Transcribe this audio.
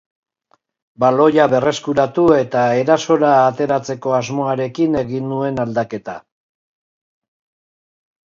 Baloia berreskuratu eta erasora ateratzeko asmoarekin egin nuen aldaketa.